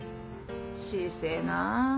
小せえなあ。